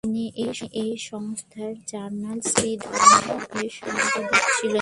তিনি এই সংস্থার জার্নাল "শ্রী ধর্ম"-এর সম্পাদক ছিলেন।